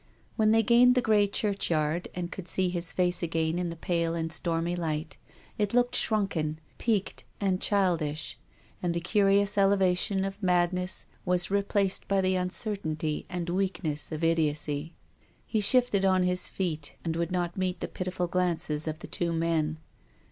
When they gained the grey churchyard and could see his face again in the pale and stormy light, it looked shrunken, peaked and childish, and the curious elevation of madness was replaced by the uncertainty and weakness of idiocy. He shifted on his feet and would not meet the pitiful glances of the two men.